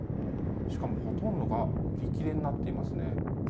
しかもほとんどが売り切れになっていますね。